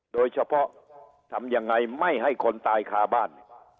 โดยเฉพาะทำยังไงไม่ให้คนตายคาบ้าน